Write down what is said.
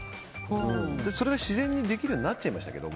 それが自然にできるようになっちゃいましたけど。